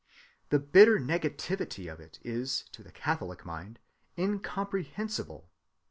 The bitter negativity of it is to the Catholic mind incomprehensible.